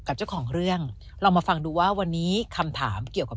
กับเจ้าของเรื่องลองมาฟังดูว่าวันนี้คำถามเกี่ยวกับ